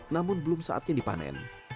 namun belum saatnya dipanen